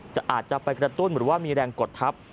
อาจจะไปกระตุ้นหรือว่ามีแรงกดทับ